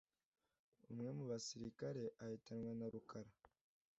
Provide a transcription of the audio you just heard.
umwe mu basilikali ahitanwe na Rukara